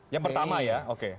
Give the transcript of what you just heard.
yang pertama ya oke